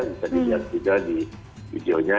bisa dilihat juga di videonya